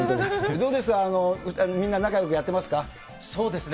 どうですか、みんな仲よくやってそうですね。